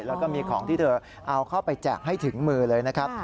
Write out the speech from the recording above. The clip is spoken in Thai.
แล้วก็มีของที่เธอเอาเข้าไปแจกให้ถึงมือเลยนะครับ